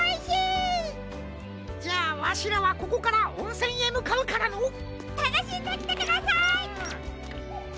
じゃあわしらはここからおんせんへむかうからのう。